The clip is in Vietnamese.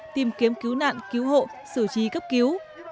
tìm kiếm cứu nạn cứu hộ xử trí cấp cứu